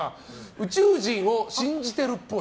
宇宙人を信じてるっぽい。